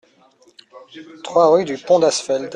trois rue du Pont d'Asfeld